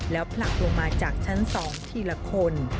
แล้วผลักลงมาจากชั้น๒ทีละคน